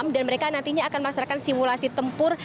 dan mereka nantinya akan melaksanakan simulasi tempur